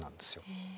へえ。